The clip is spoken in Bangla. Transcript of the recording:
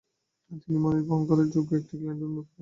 তিনি মানুষ বহন করার যোগ্য একটি গ্লাইডার নির্মাণ করেন।